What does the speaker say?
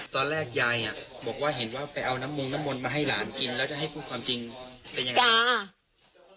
ตอนแรกยายบอกว่าเห็นว่าไปเอาน้ำมงน้ำมนต์มาให้หลานกินแล้วจะให้พูดความจริงเป็นยังไง